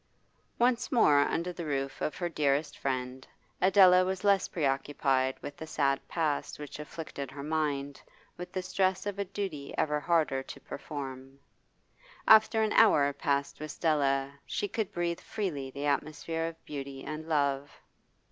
Once more under the roof of her dearest friend, Adela was less preoccupied with the sad past which afflicted her mind with the stress of a duty ever harder to perform. After an hour passed with Stella she could breathe freely the atmosphere of beauty and love.